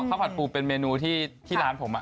ผัดปูเป็นเมนูที่ร้านผม